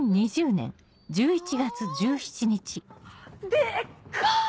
でっか！